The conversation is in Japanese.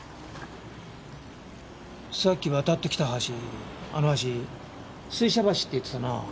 さっき渡ってきた橋あの橋水車橋って言ってたな。